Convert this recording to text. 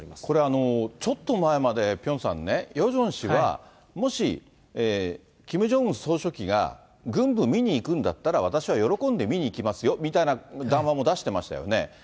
これ、ちょっと前まで、ピョンさんね、ヨジョン氏は、もしキム・ジョンウン総書記が軍部見に行くんだったら、私は喜んで見に行きますよみたいな談話も出してましたよね。